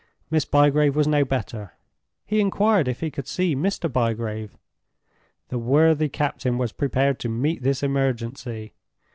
Miss Bygrave was no better. He inquired if he could see Mr. Bygrave. The worthy captain was prepared to meet this emergency.